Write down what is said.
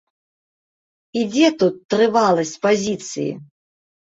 І дзе тут трываласць пазіцыі?